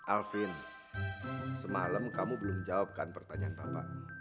alvin semalam kamu belum menjawabkan pertanyaan bapak